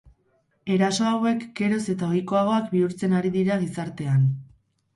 Eraso hauek geroz eta ohikoagoak bihurtzen ari dira gizartean.